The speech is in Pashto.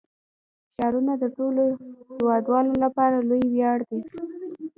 ښارونه د ټولو هیوادوالو لپاره لوی ویاړ دی.